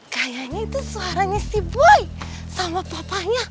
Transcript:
kayaknya itu suaranya si buai sama papanya